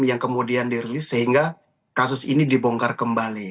yang kemudian dirilis sehingga kasus ini dibongkar kembali